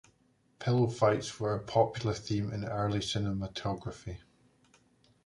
Pillow fights were a popular theme in early cinematography.